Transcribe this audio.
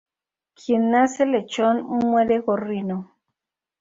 Quien nace lechón, muere gorrino